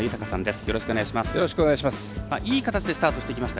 よろしくお願いします。